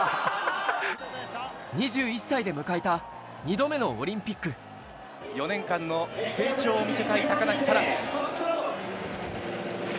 ２１歳で迎えた、２度目のオ４年間の成長を見せたい高梨沙羅。